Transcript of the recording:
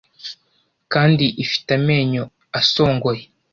kandi ifite amenyo asongoye,